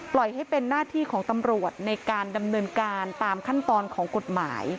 ให้เป็นหน้าที่ของตำรวจในการดำเนินการตามขั้นตอนของกฎหมาย